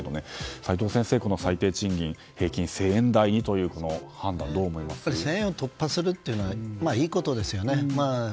齋藤先生、この最低賃金平均１０００円台にという判断は１０００円を突破するのはいいことですよね。